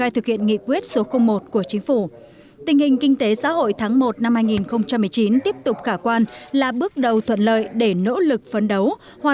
thực hiện nghị quyết của quốc hội và chính phủ